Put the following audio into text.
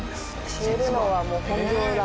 「教えるのはもう本業だ」